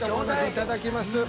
いただきます。